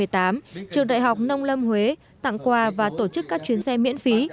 trường đại học nông lâm huế tặng quà và tổ chức các chuyến xe miễn phí